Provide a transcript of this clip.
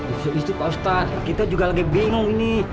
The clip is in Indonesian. isu isu pak ustadz kita juga lagi bingung ini